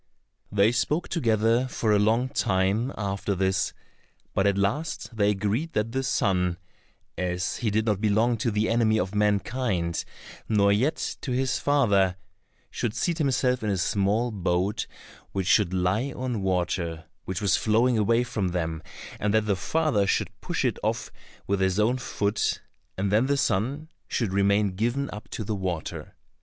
They spoke together for a long time after this, but at last they agreed that the son, as he did not belong to the enemy of mankind, nor yet to his father, should seat himself in a small boat, which should lie on water which was flowing away from them, and that the father should push it off with his own foot, and then the son should remain given up to the water.